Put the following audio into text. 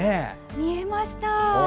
見えました。